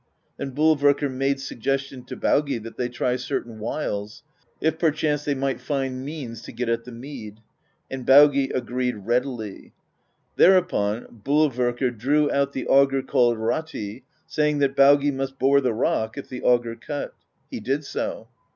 Then Bolverkr made suggestion to Baugi that they try cer tain wiles, if perchance they might find means to get at the mead; and Baugi agreed readily. Thereupon Bolverkr drew out the auger called Rati, saying that Baugi must bore the rock, if the auger cut. He did so.